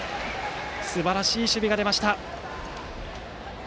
すばらしい守備が出ました。